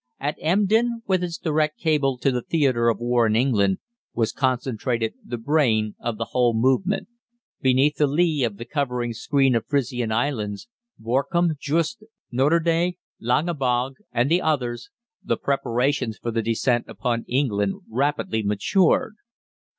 At Emden, with its direct cable to the theatre of war in England, was concentrated the brain of the whole movement. Beneath the lee of the covering screen of Frisian Islands, Borkum, Juist, Norderney, Langebog, and the others, the preparations for the descent upon England rapidly matured.